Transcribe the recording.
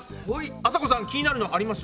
あさこさん気になるのあります？